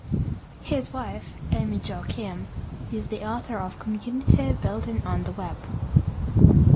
His wife, Amy Jo Kim, is the author of "Community Building on the Web".